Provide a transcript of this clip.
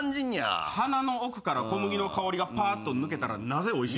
鼻の奥から小麦の香りがぱーっと抜けたらなぜおいしい。